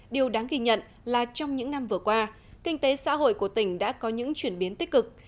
điều đáng ghi nhận là trong những năm vừa qua kinh tế xã hội của tỉnh đã có những chuyển biến tích cực